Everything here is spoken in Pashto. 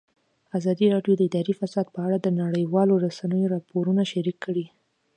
ازادي راډیو د اداري فساد په اړه د نړیوالو رسنیو راپورونه شریک کړي.